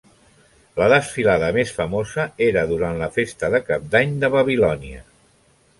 La desfilada més famosa era durant la Festa de Cap d'Any de Babilònia.